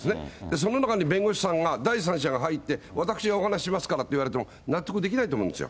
その中に、弁護士さんが、第三者が入って、私がお話しますからって言われても、納得できないと思うんですよ。